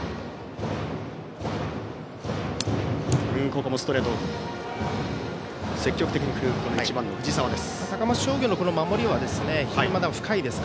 ここもストレートを積極的に振る藤澤です。